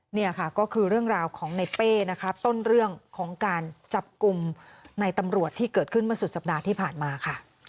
นี่ค่ะก็คือเรื่องราวของในเป้นะคะต้นเรื่องของการจับกลุ่มในตำรวจที่เกิดขึ้นเมื่อสุดสัปดาห์ที่ผ่านมาค่ะ